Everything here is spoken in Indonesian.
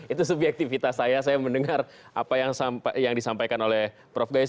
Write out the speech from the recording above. itu subjektivitas saya saya mendengar apa yang disampaikan oleh prof gayus